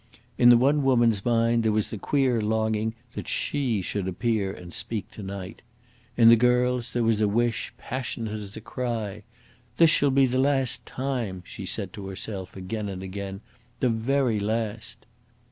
In the one woman's mind was the queer longing that "she" should appear and speak to night; in the girl's there was a wish passionate as a cry. "This shall be the last time," she said to herself again and again "the very last."